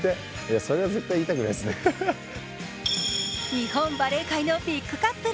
日本バレー界のビッグカップル